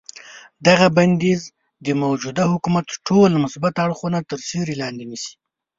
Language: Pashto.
دغه بندیز د موجوده حکومت ټول مثبت اړخونه تر سیوري لاندې نیسي.